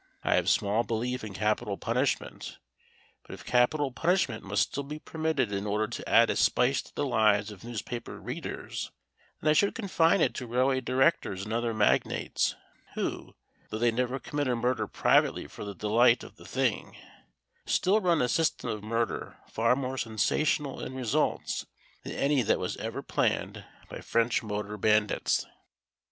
I have small belief in capital punishment, but if capital punishment must still be permitted in order to add a spice to the lives of newspaper readers, then I should confine it to railway directors and other magnates who, though they never commit a murder privately for the delight of the thing, still run a system of murder far more sensational in results than any that was ever planned by French motor bandits.